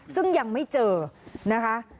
ซึ่งยังไม่เจอนะคะ